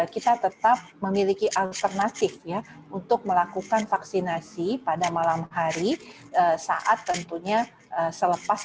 kita tetap memiliki alternatif ya untuk melakukan vaksinasi pada malam hari saat tentunya selepas